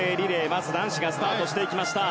まず男子がスタートしていきました。